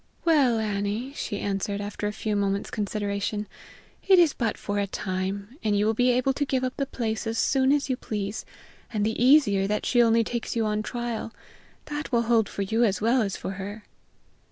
"Well, Annie," she answered, after a few moments' consideration, "it is but for a time; and you will be able to give up the place as soon as you please, and the easier that she only takes you on trial; that will hold for you as well as for her."